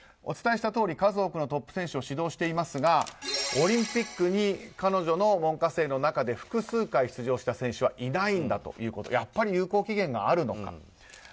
お伝えしたとおり数多くのトップ選手を指導していますがオリンピックに彼女の門下生の中で複数回出場した選手はいないんだということでやっぱり有効期限があるのかと。